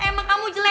emang kamu jelek